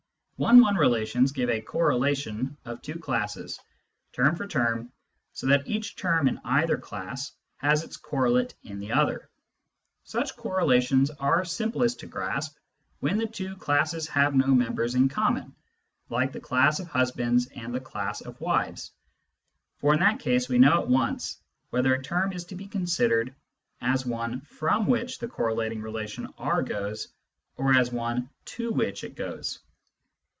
One one relations give a correlation of two classes, term for term, so that each term in either class has its correlate in the other. Such correlations are simplest to grasp when the two classes have no members in common, like the class of husbands and the class of wives ; for in that case we know at once whether a term is to be considered as one from which the correlating relation R goes, or as one to which it goes.